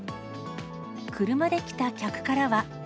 車で来た客からは。